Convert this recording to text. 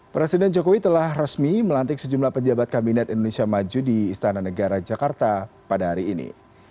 presiden jokowi telah resmi melantik sejumlah pejabat kabinet indonesia maju di istana negara jakarta pada hari ini